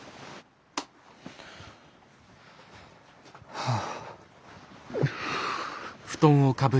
はあ。